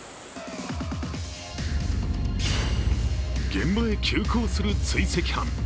現場へ急行する追跡班。